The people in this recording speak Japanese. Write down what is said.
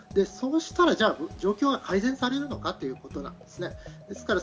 そうしたら状況は改善されるのかということです。